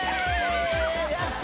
やった！